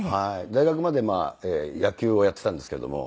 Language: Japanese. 大学まで野球をやっていたんですけども。